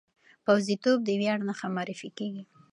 پوځي توب د ویاړ نښه معرفي کېږي.